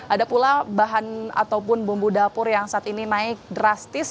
ada pula bahan ataupun bumbu dapur yang saat ini naik drastis